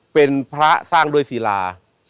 เป็นพระสร้างด้วยศิลา